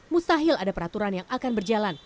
mustahil ada peraturan yang akan berjalan